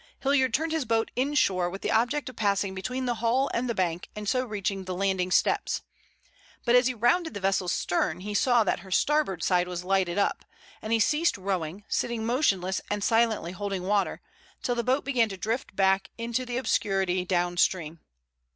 Hilliard turned his boat inshore with the object of passing between the hull and the bank and so reaching the landing steps. But as he rounded the vessel's stern he saw that her starboard side was lighted up, and he ceased rowing, sitting motionless and silently holding water, till the boat began to drift back into the obscurity down stream.